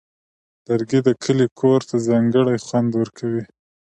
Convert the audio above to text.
لرګی د کلي کور ته ځانګړی خوند ورکوي.